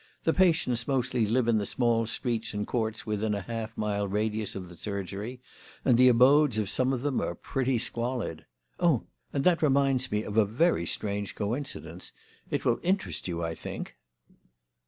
"The patients mostly live in the small streets and courts within a half mile radius of the surgery, and the abodes of some of them are pretty squalid. Oh! and that reminds me of a very strange coincidence. It will interest you, I think."